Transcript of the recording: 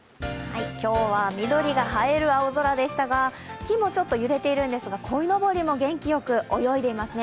今日は緑が映える青空でしたが木もちょっと揺れているんですがこいのぼりも元気よく泳いでますね。